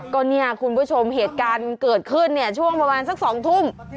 ก็เนี่ยคุณผู้ชมเหตุการณ์เกิดขึ้นเนี่ยช่วงประมาณสัก๒ทุ่ม